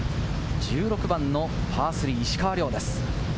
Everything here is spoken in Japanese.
１６番のパー３、石川遼です。